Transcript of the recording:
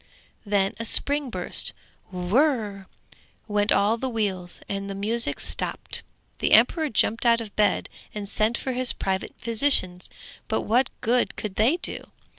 Then a spring burst, 'whirr' went all the wheels, and the music stopped. The emperor jumped out of bed and sent for his private physicians, but what good could they do?